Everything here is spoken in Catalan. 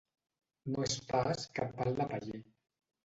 No és pas cap pal de paller.